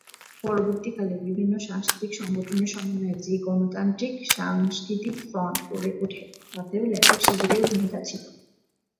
পরবর্তীকালে, বিভিন্ন সাংস্কৃতিক সংগঠনের সমন্বয়ে যে "গণতান্ত্রিক সাংস্কৃতিক ফ্রন্ট" গড়ে ওঠে, তাতেও লেখক শিবিরের ভূমিকা ছিল।